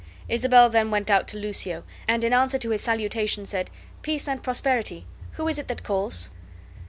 Isabel then went out to Lucio, and in answer to his salutation, said: "Peace and Prosperity! Who is it that calls?"